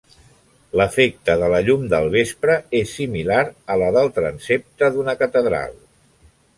L'efecte de la llum del vespre és similar al del transsepte d'una catedral.